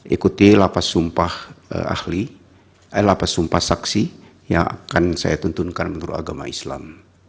ikuti lapas sumpah ahli lapas sumpah saksi yang akan saya tuntunkan menurut agama islam